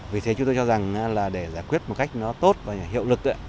vì thế chúng tôi cho rằng là để giải quyết một cách nó tốt và hiệu lực